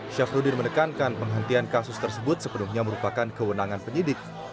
syafruddin menekankan penghentian kasus tersebut sepenuhnya merupakan kewenangan penyidik